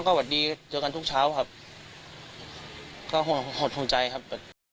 ก็ห่วงใจครับ